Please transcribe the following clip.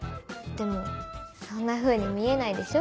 でもそんなふうに見えないでしょ？